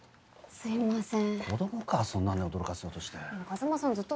すいません。